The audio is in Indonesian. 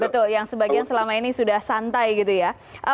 betul yang sebagian selama ini sudah santai gitu ya